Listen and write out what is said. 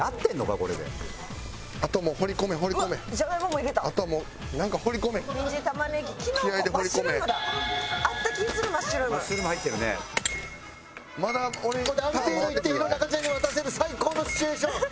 ここで安定にいって弘中ちゃんに渡せる最高のシチュエーション。